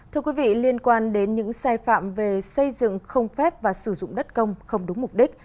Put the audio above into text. thưa quý vị liên quan đến những sai phạm về xây dựng không phép và sử dụng đất công không đúng mục đích